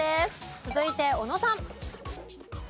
続いて小野さん。